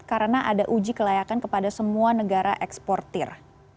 karena ada uji kelayakan kepada semua negara eksportir